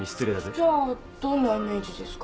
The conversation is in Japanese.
じゃあどんなイメージですか？